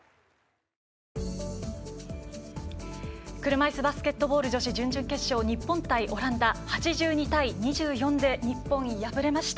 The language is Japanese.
車いすバスケットボール女子準々決勝日本対オランダ、８２対２４で日本、敗れました。